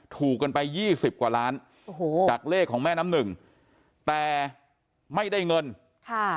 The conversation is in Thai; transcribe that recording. ถูกกันไปยี่สิบกว่าล้านโอ้โหจากเลขของแม่น้ำหนึ่งแต่ไม่ได้เงินค่ะ